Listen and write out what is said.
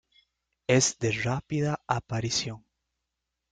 Es de rápida aparición.